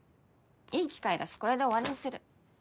いい機会だしこれで終わりにする。